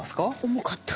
重かった。